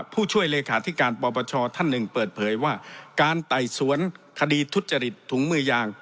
ผู้ช่วยเลขาธิการปปชท่านหนึ่งเปิดเผยว่าการไต่สวนคดีทุจริตถุงมือยาง